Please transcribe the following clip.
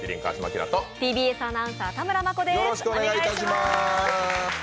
ＴＢＳアナウンサー・田村真子です。